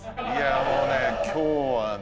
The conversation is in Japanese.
もうね今日はね